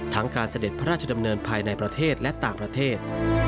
การเสด็จพระราชดำเนินภายในประเทศและต่างประเทศ